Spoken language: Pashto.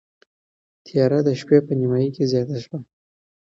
تیاره د شپې په نیمايي کې زیاته شوه.